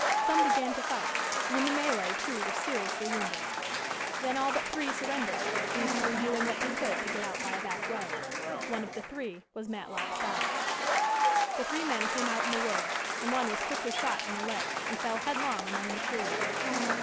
Some began to fight, and in the melee two were seriously wounded. Then all but three surrendered, these three doing what they could to get out by a back way. One of the three was Matlock Styles. The three men came out in the woods, and one was quickly shot in the leg, and fell headlong among the trees.